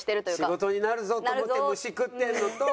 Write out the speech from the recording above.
仕事になるぞと思って虫食ってるのと。